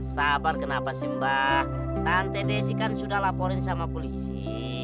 sabar kenapa sih mbak nanti desi kan sudah laporin sama polisi